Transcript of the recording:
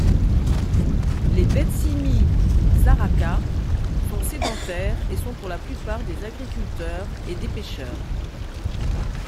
Les Betsimisaraka sont sédentaires et sont pour la plupart des agriculteurs et des pêcheurs.